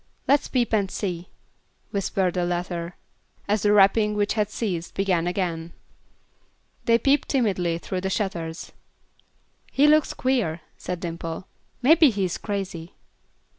"Let's peep and see," whispered the latter, as the rapping, which had ceased, began again. They peeped timidly through the shutters. "He looks queer," said Dimple, "maybe he is crazy."